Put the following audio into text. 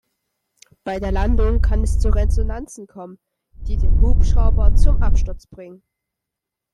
Bei der Landung kann es zu Resonanzen kommen, die den Hubschrauber zum Absturz bringen.